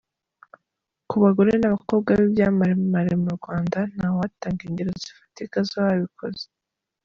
Ku bagore n’ abakobwa b’ ibyamamare mu Rwanda, ntawatanga ingero zifatika z’ababikoze.